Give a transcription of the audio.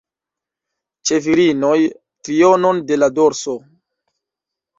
Ĉe virinoj, trionon de la dorso.